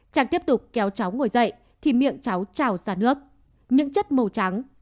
trang tiếp tục kéo cháu ngồi dậy thì miệng cháu trào ra nước những chất màu trắng